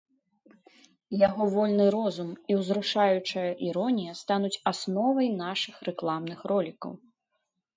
Яго вольны розум і ўзрушаючая іронія стануць асновай нашых рэкламных ролікаў.